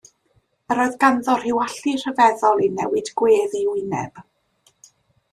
Yr oedd ganddo rhyw allu rhyfeddol i newid gwedd ei wyneb.